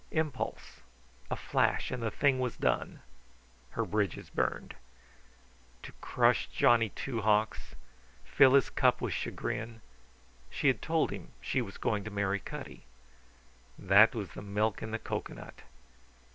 Impulse; a flash, and the thing was done, her bridges burned. To crush Johnny Two Hawks, fill his cup with chagrin, she had told him she was going to marry Cutty. That was the milk in the cocoanut.